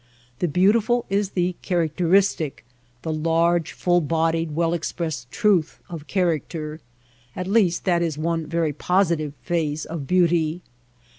The beautiful is the characteristic — the large, full bodied, well ex pressed truth of character. At least that is one very positive phase of beauty.